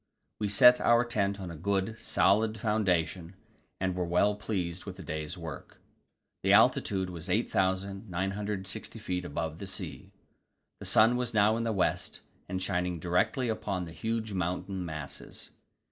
We set our tent on a good, solid foundation, and were well pleased with the day's work. The altitude was 8,960 feet above the sea. The sun was now in the west, and shining directly upon the huge mountain masses.